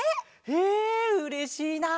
へえうれしいな！